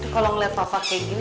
kalau ngeliat papa kayak gini